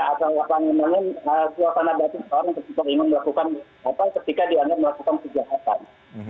atau apa yang memangnya kalau pada dasar orang ingin melakukan apa ketika dianggap melakukan kejahatan